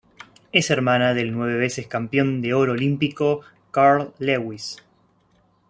Es hermana del nueve veces campeón de oro olímpico Carl Lewis.